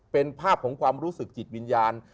เป็นภาพของความรู้สึกจิตวิญญาณ